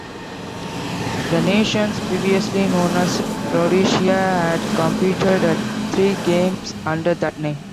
The nation, previously known as Rhodesia, had competed at three Games under that name.